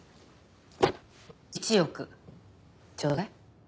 １億ちょうだい。